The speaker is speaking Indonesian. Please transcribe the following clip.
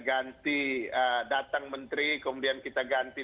ganti datang menteri kemudian kita ganti